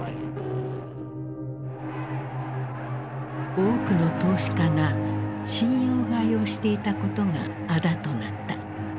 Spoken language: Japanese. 多くの投資家が信用買いをしていたことがあだとなった。